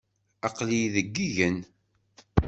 Aql-iyi deg yigen.